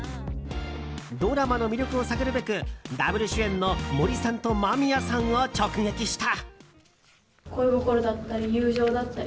ドラマの魅力を探るべくダブル主演の森さんと間宮さんを直撃した。